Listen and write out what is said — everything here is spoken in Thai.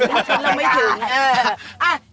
คุณเราไม่ถึงเออ